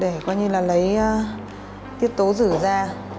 để coi như là lấy tiết tố rử ra